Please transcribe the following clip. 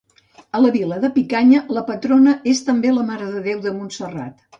A la vila de Picanya, la patrona és també la Mare de Déu de Montserrat.